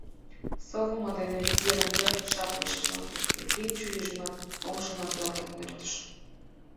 Совымо дене вӱд йырым-йыр шарлен шыжалте, Метрийын чурийжымат, оҥжымат ялтак нӧртыш.